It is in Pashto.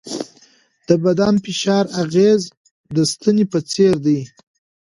د بدن فشار اغېز د ستنې په څېر دی.